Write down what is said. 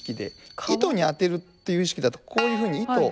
糸に当てるという意識だとこういうふうに糸。